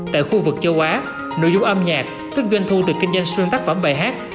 tại khu vực châu á nội dung âm nhạc kích doanh thu từ kinh doanh xuyên tác phẩm bài hát